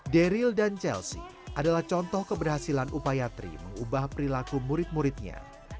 daryl dan chelsea adalah contoh keberhasilan upaya tri mengubah perilaku murid muridnya